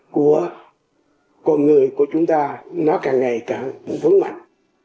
của con người của chúng ta nó càng ngày càng vững mạnh